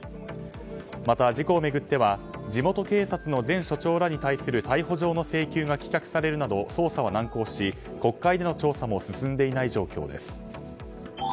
また、事故を巡っては地元警察の前署長らに対する逮捕状の請求が棄却されるなど捜査は難航し、国会での調査も進んでいない状況です。